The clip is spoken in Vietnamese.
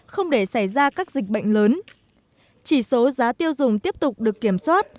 không để xảy ra các dịch bệnh lớn chỉ số giá tiêu dùng tiếp tục được kiểm soát